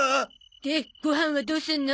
でご飯はどうすんの？